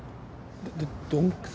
どどどんくさ。